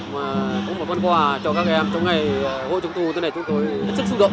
mà cũng là con quà cho các em trong ngày hội trung thù thế này chúng tôi hết sức xúc động